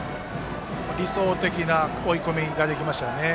理想的な追い込みができましたね。